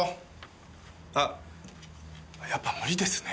あっやっぱ無理ですね。